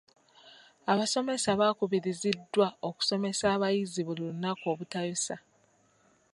Abasomesa baakubiriziddwa okusomesa abayizi buli lunaku obutayosa.